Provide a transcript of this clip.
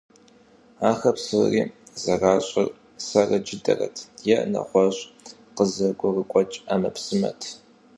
Ахэр псори зэращӀыр сэрэ джыдэрэт е нэгъуэщӀ къызэрыгуэкӀ Ӏэмэпсымэт.